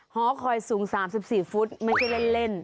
หอคอยสูง๓๔ฟุตไม่ใช่เล่น